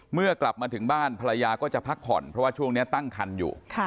เมื่อกลับมาถึงบ้านภรรยาก็จะพักผ่อนเพราะว่าช่วงนี้ตั้งคันอยู่